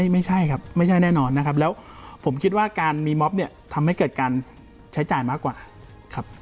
ไม่ใช่นะครับ